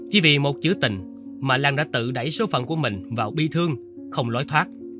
chỉ vì một chữ tình mà lan đã tự đẩy số phận của mình vào bi thương không lối thoát